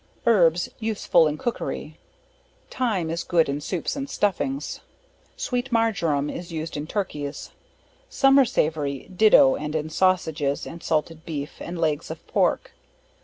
Herbs, useful in Cookery. Thyme, is good in soups and stuffings. Sweet Marjoram, is used in Turkeys. Summer Savory, ditto, and in Sausages and salted Beef, and legs of Pork.